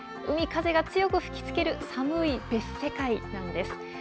海風が強く吹きつける寒い別世界なんです。